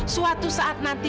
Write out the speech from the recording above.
suatu saat nanti